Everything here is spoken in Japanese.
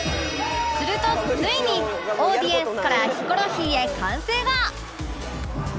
するとついにオーディエンスからヒコロヒーへ歓声が！